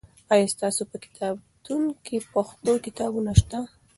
آیا ستاسې په کتابتون کې پښتو کتابونه سته؟